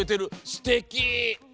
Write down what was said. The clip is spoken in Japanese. すてき！ね？